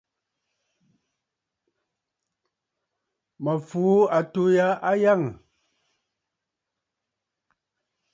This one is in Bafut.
Mǝ̀ fùu àtû yâ natt.